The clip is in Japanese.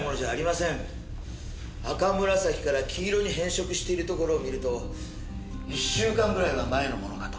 赤紫から黄色に変色しているところを見ると１週間ぐらいは前のものかと。